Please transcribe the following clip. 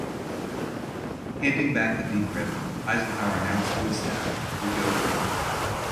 Handing back the decrypt, Eisenhower announced to his staff, We go tomorrow.